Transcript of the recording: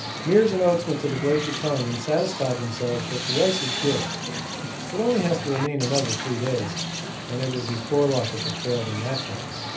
Meares and Oates went to the Glacier Tongue and satisfied themselves that the ice is good. It only has to remain another three days, and it would be poor luck if it failed in that time.